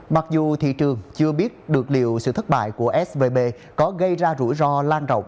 mặc dù thị trường chưa biết được liệu sự thất bại của svb có gây ra rủi ro lan rộng